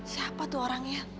siapa tuh orangnya